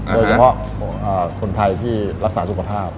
โดยเฉพาะคนไทยที่รักษาสุขภาพ